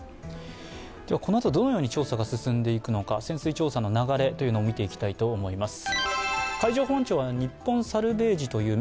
このあと、どのように調査が進んでいくのか、潜水調査の流れを見ていこうと思います。